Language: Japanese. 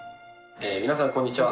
皆さんこんにちは。